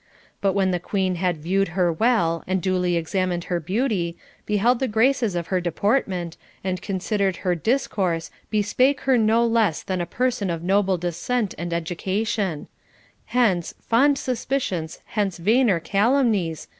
But when the queen had viewed her well, and duly examined her beauty, beheld the graces of her deportment, and considered her discourse bespake her no less than a person of noble de scent and education ; Hence, fond suspicions, hence vainer calumnies